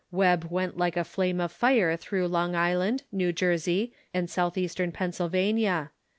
Webb went like a flame of fire through Long Island, Xew Jersej^, and south ..„. eastern Pennsylvania.